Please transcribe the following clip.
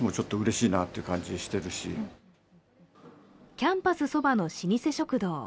キャンパスそばの老舗食堂。